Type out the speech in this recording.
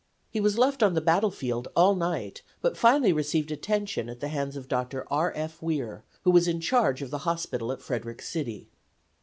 He was left on the battlefield all night, but finally received attention at the hands of Dr. R. F. Weir, who was in charge of the hospital at Frederick City.